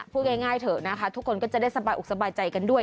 พูดง่ายเถอะนะคะทุกคนก็จะได้สบายอกสบายใจกันด้วย